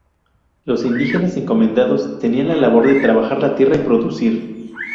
Los indígenas encomendados tenían la labor de trabajar la tierra y producir.